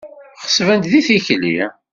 Ɣeṣbent di tikli.